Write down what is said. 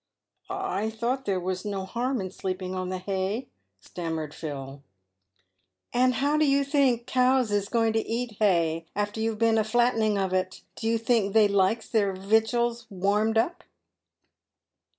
" I thought there was no harm sleeping on the hay," stammered Phil. " And how do you think cows is to eat hay after you've been a flattening of it? Do you think they likes their wittals warmed up?"